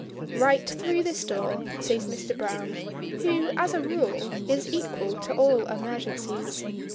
"Right through this door," says Mr. Browne, who, as a rule, is equal to all emergencies.